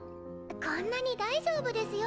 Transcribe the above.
こんなに大丈夫ですよ！